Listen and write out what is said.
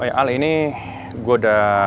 oh ya al ini gue udah